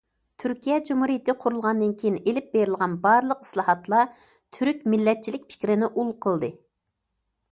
تۈركىيە جۇمھۇرىيىتى قۇرۇلغاندىن كېيىن ئېلىپ بېرىلغان بارلىق ئىسلاھاتلار تۈرك مىللەتچىلىك پىكرىنى ئۇل قىلدى.